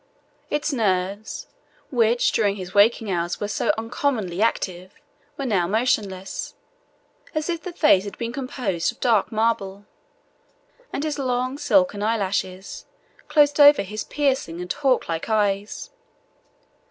Its nerves, which during his waking hours were so uncommonly active, were now motionless, as if the face had been composed of dark marble, and his long silken eyelashes closed over his piercing and hawklike eyes.